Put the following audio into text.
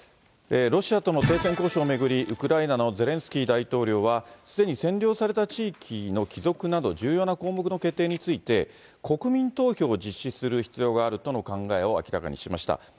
ロシアとの停戦交渉を巡り、ウクライナのゼレンスキー大統領は、すでに占領された地域の帰属など、重要な項目の決定について、国民投票を実施する必要があるとの考えを明らかにしました。